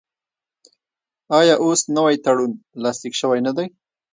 آیا اوس نوی تړون لاسلیک شوی نه دی؟